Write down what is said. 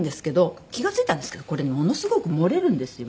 気が付いたんですけどこれものすごく漏れるんですよ